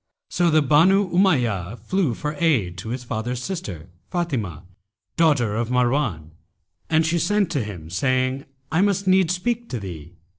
So the Banu Umayyah flew for aid to his father's sister, Fátimah, daughter of Marwan, and she sent to him saying, 'I must needs speak to thee.'